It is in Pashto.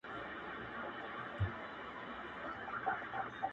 چي سمسور افغانستان لیدلای نه سي,